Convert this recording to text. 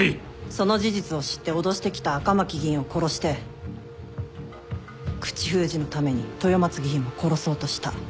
その事実を知って脅してきた赤巻議員を殺して口封じのために豊松議員も殺そうとした。